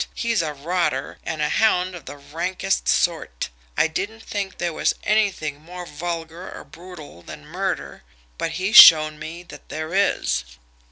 He's a rotter and a hound of the rankest sort! I didn't think there was anything more vulgar or brutal than murder, but he's shown me that there is.